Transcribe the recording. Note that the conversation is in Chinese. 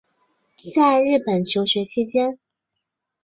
在日本求学期间